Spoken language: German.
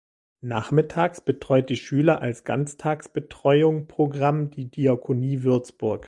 Nachmittags betreut die Schüler als Ganztagsbetreuung-Programm die Diakonie Würzburg.